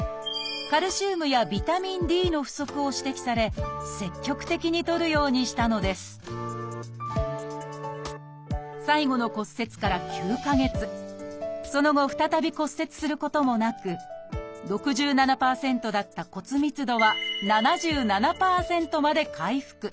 カルシウムやビタミンＤの不足を指摘され積極的にとるようにしたのです最後の骨折から９か月その後再び骨折することもなく６７％だった骨密度は７７％まで回復。